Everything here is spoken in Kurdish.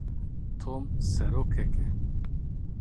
Tom serokek e.